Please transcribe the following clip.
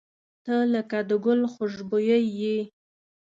• ته لکه د ګل خوشبويي یې.